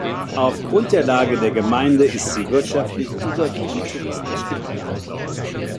Aufgrund der Lage der Gemeinde ist sie wirtschaftlich überwiegend touristisch geprägt.